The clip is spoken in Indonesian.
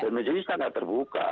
dan menjadi sekarang terbuka